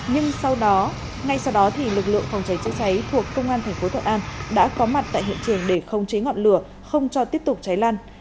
nhưng sau đó ngay sau đó thì lực lượng phòng cháy chế cháy thuộc công an thành phố thuận an đã có mặt tại hiện trường để không chế ngọn lửa không cho tiếp tục cháy lan